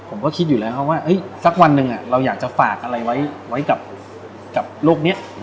ผมก็คิดอยู่แล้วว่าสักวันหนึ่งเราอยากจะฝากอะไรไว้กับโลกนี้